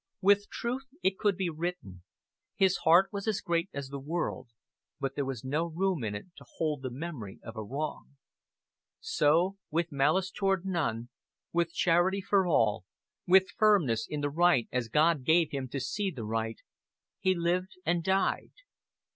With truth it could be written, "His heart was as great as the world, but there was no room in it to hold the memory of a wrong." So, "with malice toward none, with charity for all, with firmness in the right as God gave him to see the right" he lived and died.